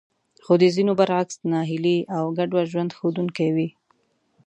خو د ځينو برعکس ناهيلي او ګډوډ ژوند ښودونکې وې.